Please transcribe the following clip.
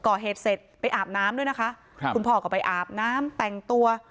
ก่อเหตุเสร็จไปอาบน้ำด้วยนะคะครับคุณพ่อก็ไปอาบน้ำแต่งตัว